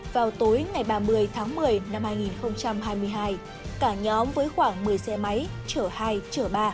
vào tối ngày ba mươi tháng một mươi năm hai nghìn hai mươi hai cả nhóm với khoảng một mươi xe máy chở hai chở ba